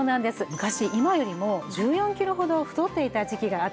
昔今よりも１４キロほど太っていた時期があったんですね。